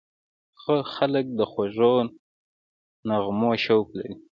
خلک د خوږو نغمو شوق لري.